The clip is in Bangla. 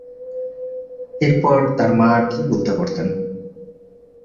এরপর তার মা কি আর বলতে পারতেন?